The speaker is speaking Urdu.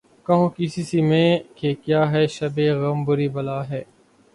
کہوں کس سے میں کہ کیا ہے شبِ غم بری بلا ہے